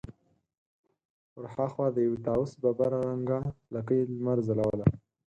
ور هاخوا د يوه طاوس ببره رنګه لکۍ لمر ځلوله.